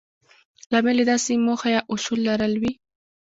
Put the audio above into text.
لامل يې داسې موخه يا اصول لرل وي.